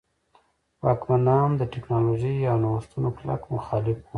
واکمنان د ټکنالوژۍ او نوښتونو کلک مخالف وو.